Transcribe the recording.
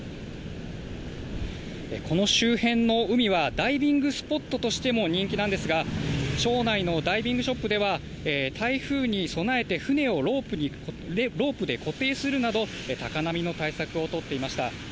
この周辺の海はダイビングスポットとしても人気なんですが、町内のダイビングショップでは、台風に備えて、船をロープで固定するなど、高波の対策を取っていました。